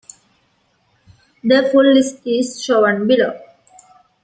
The full list is shown below.